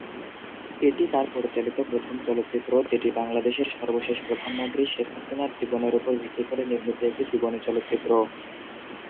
এটি তার পরিচালিত প্রথম চলচ্চিত্র যেটি বাংলাদেশের সর্বশেষ প্রধানমন্ত্রী শেখ হাসিনার জীবনের উপর ভিত্তি করে নির্মিত একটি জীবনী চলচ্চিত্র।